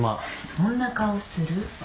そんな顔する？